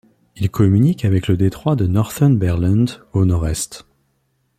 Il communique avec le détroit de Northumberland au nord-est.